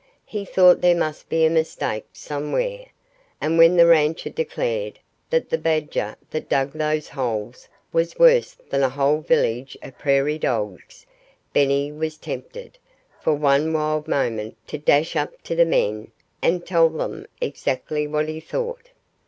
He thought there must be a mistake somewhere. And when the rancher declared that the badger that dug those holes was worse than a whole village of prairie dogs, Benny was tempted, for one wild moment, to dash up to the men and tell them exactly what he thought.